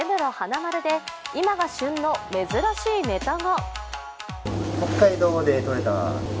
まるで今が旬の珍しいネタが。